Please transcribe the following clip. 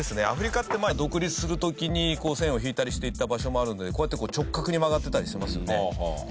アフリカって独立する時にこう線を引いたりしていった場所もあるのでこうやって直角に曲がってたりしますよね。